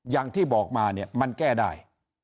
อย่างที่บอกมาเนี่ยมันแก้ได้